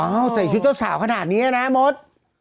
ใส่ชุดเจ้าสาวขนาดนี้นะมด